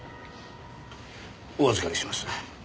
お預かりします。